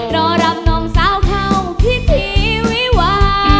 รอรับน้องสาวเข้าพิธีวิวา